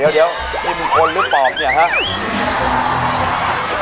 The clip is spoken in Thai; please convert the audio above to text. เดี๋ยวแบบนี้มีคนหรือปอมเนี่ยฮะ